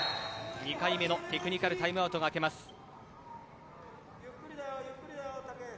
２回目のテクニカルタイムアウトが明けます。